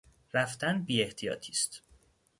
رفتن بیاحتیاطی است.